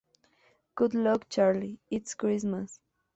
Good Luck Charlie, It's Christmas!